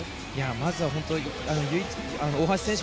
まずは大橋選手